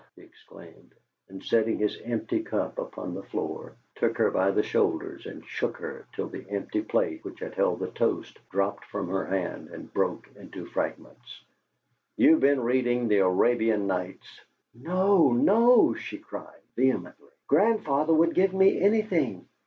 he exclaimed, and, setting his empty cup upon the floor, took her by the shoulders and shook her till the empty plate which had held the toast dropped from her hand and broke into fragments. "You've been reading the Arabian Nights!" "No, no," she cried, vehemently. "Grandfather would give me anything.